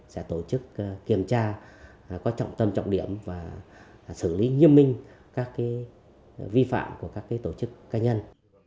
sẽ tổ chức kiểm tra có trọng tâm trọng điểm và xử lý nghiêm minh các vi phạm của các tổ chức cá nhân